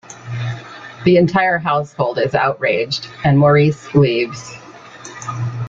The entire household is outraged, and Maurice leaves.